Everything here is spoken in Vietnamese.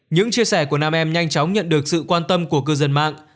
những chia sẻ của nam em nhanh chóng nhận được sự quan tâm của cư dân mạng